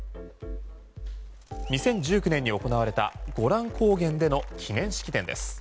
２０１９年に行われたゴラン高原での記念式典です。